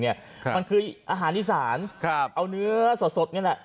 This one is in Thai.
มันคืออาหารอีสานเอาเนื้อสดนี่แหละ